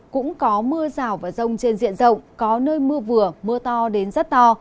cũng có mưa rào và rông trên diện rộng có nơi mưa vừa mưa to đến rất to